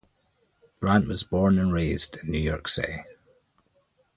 Brandt was born and raised in New York City.